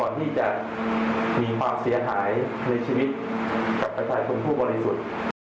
ก่อนที่จะมีความเสียหายในชีวิตกับปัจจัยคุณผู้บริสุทธิ์